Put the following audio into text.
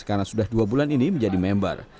karena sudah dua bulan ini menjadi member